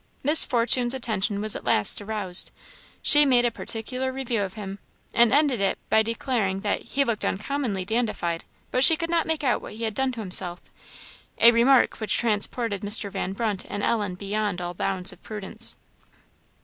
Miss Fortune's attention was at last aroused; she made a particular review of him, and ended it by declaring, that "he looked uncommonly dandified, but she could not make out what he had done to himself;" a remark which transported Mr. Van Brunt and Ellen beyond all bounds of prudence.